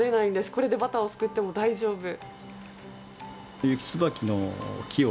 これでバターをすくっても大丈夫。